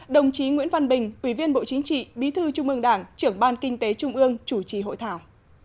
đồng chí nguyễn văn bình ủy viên bộ chính trị bí thư trung ương đảng trưởng ban kinh tế trung ương chủ trì hội thảo